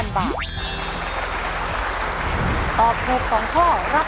สวัสดีครับ